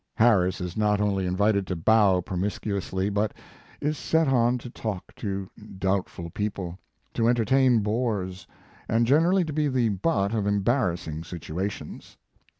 Harris is not only invited to bow promiscuously but is set on to talk to doubtful people, to en tertain bores, and generally to be the butt of einbarassing situations.